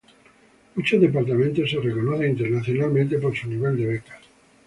Muchos departamentos son reconocidos internacionalmente por su nivel de becas.